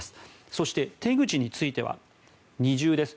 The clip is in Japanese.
そして、手口については二重です。